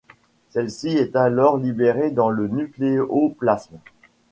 Celle-ci est alors libérée dans le nucléoplasme.